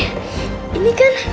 bening dibuat apa